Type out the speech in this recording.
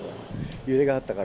揺れがあったから。